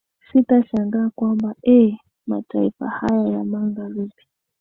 sitashangaa kwamba eeh mataifa haya ya magharibi